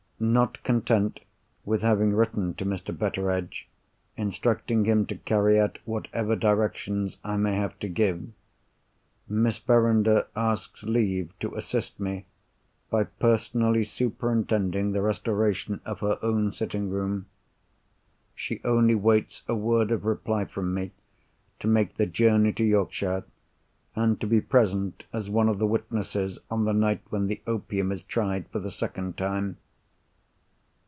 Not content with having written to Mr. Betteredge, instructing him to carry out whatever directions I may have to give, Miss Verinder asks leave to assist me, by personally superintending the restoration of her own sitting room. She only waits a word of reply from me to make the journey to Yorkshire, and to be present as one of the witnesses on the night when the opium is tried for the second time.